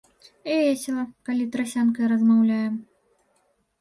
Весела, калі трасянкай размаўляем.